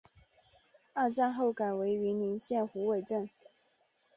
二战后改为云林县虎尾镇。